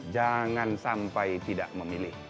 jangan sampai tidak memilih